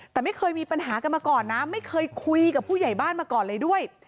แต่ไม่เคยมีปัญหากันมาก่อนนะไม่เคยคุยกับผู้ใหญ่บ้านมาก่อนเลยด้วย